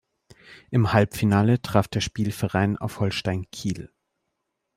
Im Halbfinale traf der Spielverein auf Holstein Kiel.